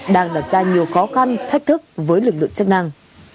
đang đặt ra nhiều khó khăn thách thức với lực lượng chức năng